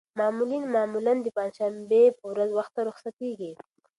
مامورین معمولاً د پنجشنبې په ورځ وخته رخصتېږي.